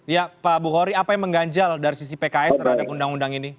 ya pak bukhori apa yang mengganjal dari sisi pks terhadap undang undang ini